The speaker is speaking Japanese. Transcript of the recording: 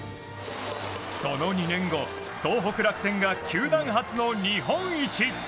その２年後、東北楽天が球団初の日本一。